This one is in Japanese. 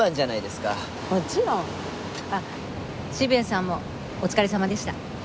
あっ渋谷さんもお疲れさまでした。